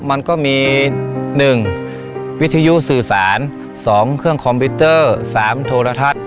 มันก็มี๑วิทยุสื่อสาร๒เครื่องคอมพิวเตอร์๓โทรทัศน์